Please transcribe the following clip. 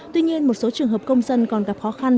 tuy nhiên một số trường hợp công dân còn gặp khó khăn